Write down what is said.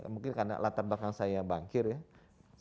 mungkin karena latar belakang saya bangkir ya